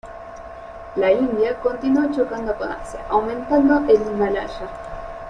La India continuó chocando con Asia, aumentando el Himalaya.